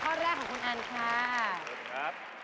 ขอบคุณครับ